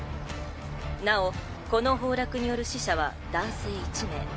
なおこの崩落による死者は男性１名。